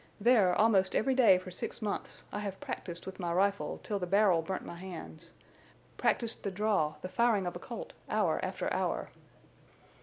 There, almost every day for six months, I have practiced with my rifle till the barrel burnt my hands. Practised the draw—the firing of a Colt, hour after hour!"